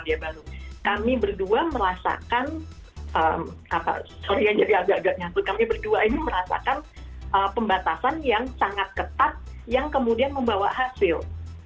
terus kemudian di selandia baru kami berdua merasakan sorry agak nyambut kami berdua ini merasakan pembatasan yang sangat ketat yang kemudian membawa hasil